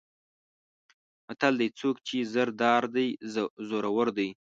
متل دی: څوک چې زر دار دی زورور دی.